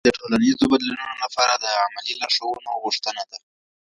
د ټولنیزو بدلونونو لپاره د عملي لارښوونو غوښتنه ده.